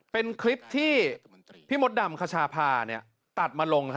เป็นคลิปที่พี่มดดำคชาพาตัดมาลง